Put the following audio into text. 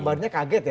kabarnya kaget ya